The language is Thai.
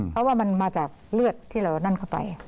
เพราะว่ามันมาจากเลือดที่เรานั่นเข้าไป